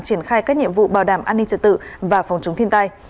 triển khai các nhiệm vụ bảo đảm an ninh trật tự và phòng chống thiên tai